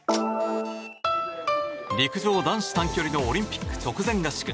陸上男子短距離のオリンピック直前合宿。